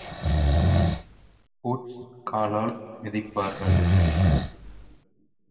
Boots காலால் மிதிப்பார்கள்.